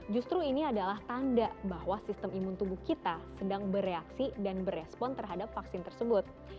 justru ini adalah tanda bahwa sistem imun tubuh kita sedang bereaksi dan berespon terhadap vaksin tersebut